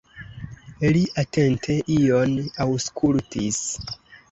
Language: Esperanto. Li atente ion aŭskultis.